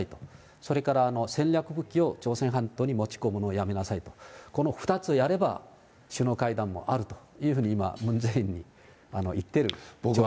それから戦略的武器を朝鮮半島に持ち込むのをやめなさいと、この２つをやれば首脳会談もあるというふうに今、ムン・ジェインに言ってるわけですね。